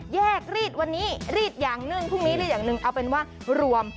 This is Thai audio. รีดวันนี้รีดอย่างนู่นพรุ่งนี้รีดอย่างหนึ่งเอาเป็นว่ารวม